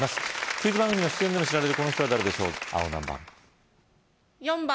クイズ番組の出演でも知られるこの人は誰でしょう青何番？